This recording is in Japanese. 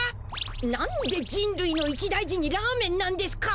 なんで人るいの一大事にラーメンなんですか。